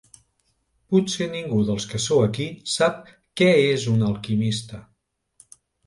Potser ningú dels que sou aquí sap què és un alquimista!